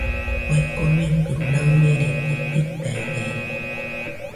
Kue komekɨ naɨmerede jitaide.